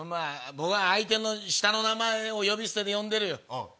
相手の下の名前を呼び捨てで呼んでるよ。